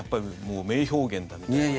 名表現だみたいな。